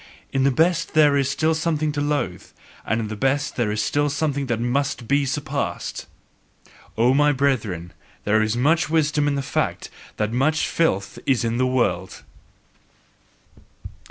In the best there is still something to loathe; and the best is still something that must be surpassed! O my brethren, there is much wisdom in the fact that much filth is in the world!